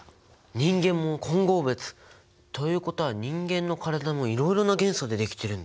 人間も混合物！ということは人間の体もいろいろな元素で出来てるんだね。